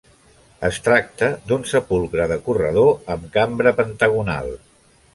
Es tracta d'un sepulcre de corredor amb cambra pentagonal.